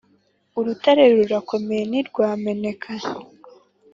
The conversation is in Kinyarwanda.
urutare rurakomeye ntirwameneka.